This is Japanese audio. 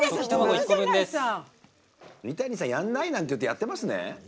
三谷さん、やんないなんて言ってやってますね？